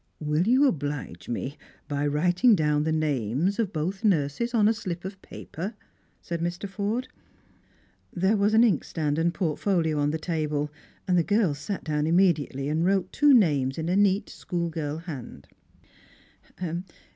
" Will you obUge me by writing down the names of both nurses on a slip of paper?" said Mr. Forde. There were an inkstand and portfolio on the table, and the girl sat down immediately and wrote two names in a neat Bchool girl hand.